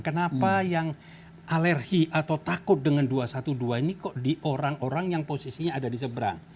kenapa yang alergi atau takut dengan dua ratus dua belas ini kok di orang orang yang posisinya ada di seberang